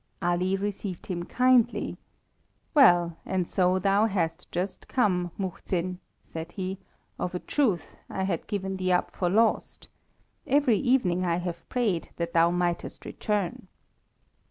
Ali received him kindly. "Well, and so thou hast just come, Muhzin," said he; "of a truth, I had given thee up for lost. Every evening have I prayed that thou mightest return."